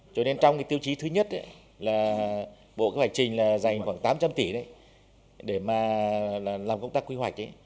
cho nên trong tiêu chí thứ nhất là bộ phạch trình là dành khoảng tám trăm linh tỷ để mà làm công tác quy hoạch